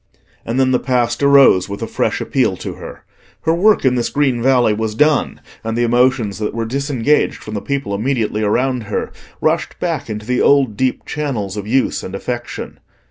And then the past arose with a fresh appeal to her. Her work in this green valley was done, and the emotions that were disengaged from the people immediately around her rushed back into the old deep channels of use and affection.